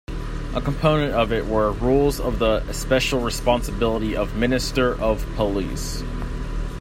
A component of it were "Rules of the especial responsibility of minister of police".